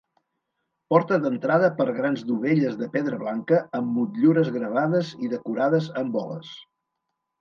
Porta d'entrada per grans dovelles de pedra blanca amb motllures gravades i decorades amb boles.